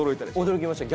驚きました。